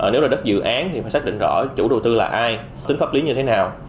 nếu là đất dự án thì phải xác định rõ chủ đầu tư là ai tính pháp lý như thế nào